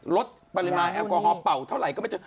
ลดปริมาณแอลกอฮอลเป่าเท่าไหร่ก็ไม่เจอ